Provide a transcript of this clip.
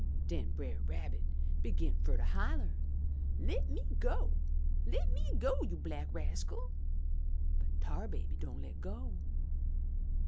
Den Brer Rabbit begin fur to holler, *Le' me go! Le' me go, you black rascal!' But Tar Baby don' le' go!